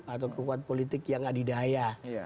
atau kekuatan politik yang adidaya